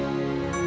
sampai jumpa cops